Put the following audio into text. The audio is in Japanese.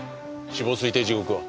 死亡推定時刻は？